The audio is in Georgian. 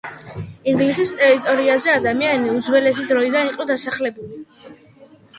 ინგლისის ტერიტორიაზე ადამიანი უძველესი დროიდან იყო დასახლებული